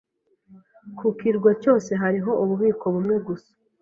Ku kirwa cyose hariho ububiko bumwe gusa.